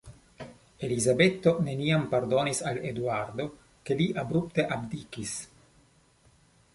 Elizabeto neniam pardonis al Eduardo, ke li abrupte abdikis.